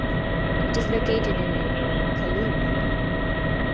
It is located in Kowloon.